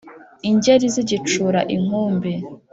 Ingeri zigicura inkumbi.